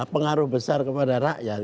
pengaruh besar kepada rakyat